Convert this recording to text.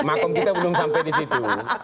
makam kita belum sampai di situ